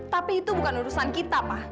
tapi itu bukan urusan kita pak